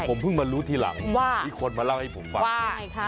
คือผมเพิ่งมารู้ทีหลังว่าที่คนมาเล่าให้ผมบอกว่าไงคะ